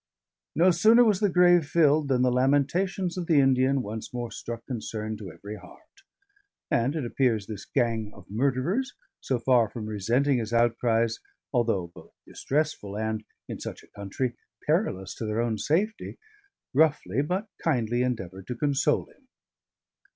No sooner was the grave filled than the lamentations of the Indian once more struck concern to every heart; and it appears this gang of murderers, so far from resenting his outcries, although both distressful and (in such a country) perilous to their own safety, roughly but kindly endeavoured to console him.